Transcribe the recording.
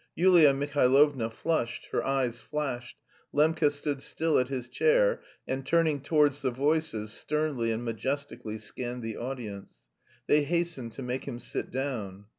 Yulia Mihailovna flushed, her eyes flashed. Lembke stood still at his chair, and turning towards the voices sternly and majestically scanned the audience.... They hastened to make him sit down.